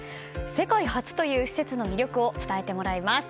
世界初という施設の魅力を伝えてもらいます。